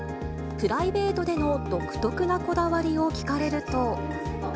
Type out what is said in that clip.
プライベートでの独特なこだわりを聞かれると。